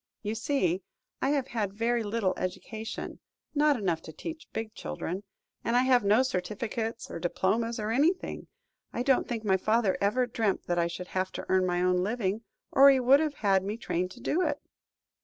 You see, I have had very little education not enough to teach big children and I have no certificates or diplomas, or anything. I don't think my father ever dreamt that I should have to earn my own living, or he would have had me trained to do it."